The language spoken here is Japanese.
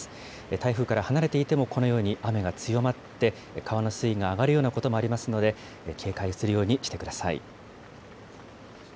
台風から離れていてもこのように雨が強まって、川の水位が上がるようなこともありますので、警戒するようにしてください。